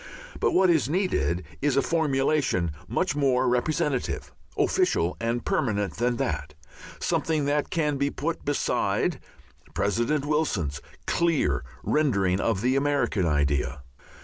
But what is needed is a formulation much more representative, official and permanent than that, something that can be put beside President Wilson's clear rendering of the American idea.